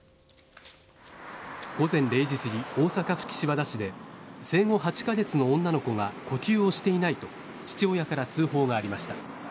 午前０時すぎ大阪府岸和田市で生後８カ月の女の子が呼吸をしていないと父親から通報がありました。